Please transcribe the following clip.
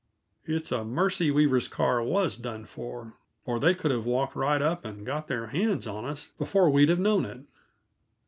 It's a mercy Weaver's car was done for, or they could have walked right up and got their hands on us before we'd have known it.